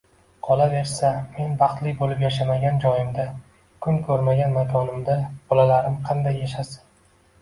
Qolaversa, men baxtli bo`lib yashamagan joyimda, kun ko`rmagan makonimda bolalarim qanday yashasin